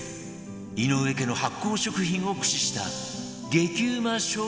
井上家の発酵食品を駆使した激ウマ正月